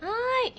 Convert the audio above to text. はい。